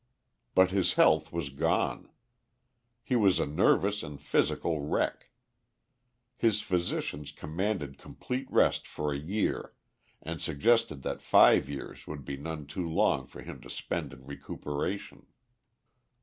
But his health was gone. He was a nervous and physical wreck. His physicians commanded complete rest for a year, and suggested that five years would be none too long for him to spend in recuperation.